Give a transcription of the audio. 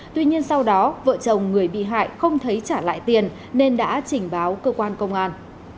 tuy nhiên sau đó vợ chồng người bị hại không thấy trả lại tiền nên đã trình báo cơ quan công an